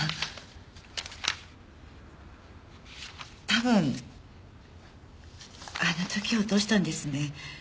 多分あの時落としたんですね。